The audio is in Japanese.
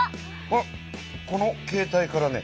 あっこのけい帯からね。